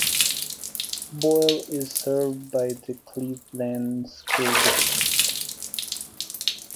Boyle is served by the Cleveland School District.